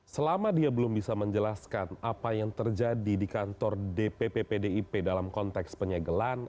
selama dia belum bisa menjelaskan apa yang terjadi di kantor dpp pdip dalam konteks penyegelan